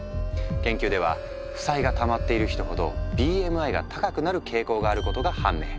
研究では負債がたまっている人ほどＢＭＩが高くなる傾向があることが判明。